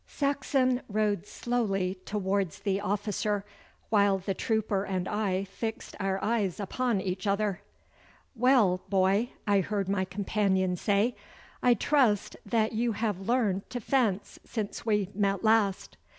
Saxon rode slowly towards the officer, while the trooper and I fixed our eyes upon each other. 'Well, boy,' I heard my companion say, 'I trust that you have learned to fence since we met last.